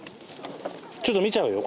ちょっと見ちゃうよ。